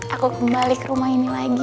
aku kembali ke rumah ini lagi